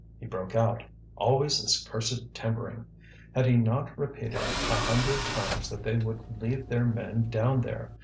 He broke out: Always this cursed timbering! Had he not repeated a hundred times that they would leave their men down there!